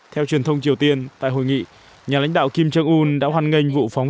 theo truyền thông triều tiên tại hội nghị nhà lãnh đạo kim jong un đã hoàn ngành vụ phóng